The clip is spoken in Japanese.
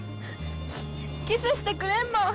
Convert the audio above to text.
キスしてくれんもん！